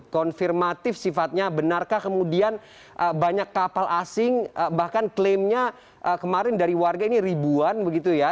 konfirmatif sifatnya benarkah kemudian banyak kapal asing bahkan klaimnya kemarin dari warga ini ribuan begitu ya